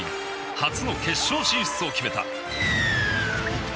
初の決勝進出を決めた。